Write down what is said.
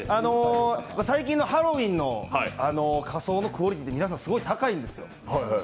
最近のハロウィンの仮装のクオリティーってすごい高いんですよ。